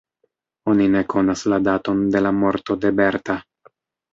Oni ne konas la daton de la morto de Berta.